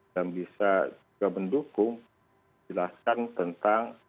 yang bisa juga mendukung jelaskan tentang